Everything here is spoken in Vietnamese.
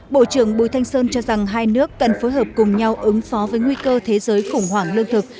bộ trưởng bùi thanh sơn cho rằng hai nước cần phối hợp cùng nhau ứng phó với nguy cơ thế giới khủng hoảng lương thực